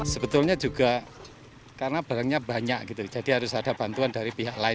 sebetulnya juga karena barangnya banyak gitu jadi harus ada bantuan dari pihak lain